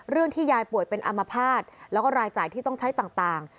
ที่ยายป่วยเป็นอามภาษณ์แล้วก็รายจ่ายที่ต้องใช้ต่าง